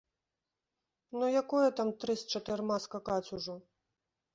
Ну якое там тры з чатырма скакаць ужо.